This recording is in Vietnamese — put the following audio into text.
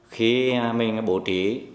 khi mình bổ trí